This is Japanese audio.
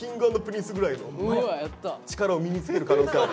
力を身につける可能性ある。